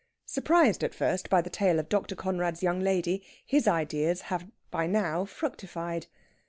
Surprised at first by the tale of Dr. Conrad's young lady, his ideas have by now fructified.